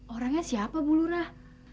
orangnya siapa bu lurah